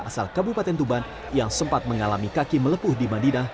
asal kabupaten tuban yang sempat mengalami kaki melepuh di madinah